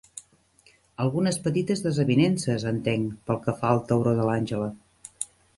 Algunes petites desavinences, entenc, pel que fa al tauró de l'Angela.